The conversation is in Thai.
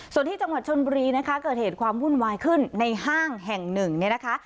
ส่วนที่จังหวัดชนบุรีนะคะเกิดเหตุความวุ่นวายขึ้นในห้างแห่งหนึ่งเนี่ยนะคะ